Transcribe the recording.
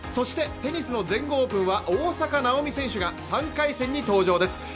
そしてテニスの全豪オープンは大坂なおみ選手が３回戦に登場です。